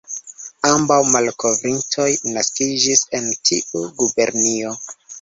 Ambaŭ malkovrintoj naskiĝis en tiu gubernio.